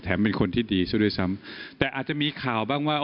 เป็นคนที่ดีซะด้วยซ้ำแต่อาจจะมีข่าวบ้างว่า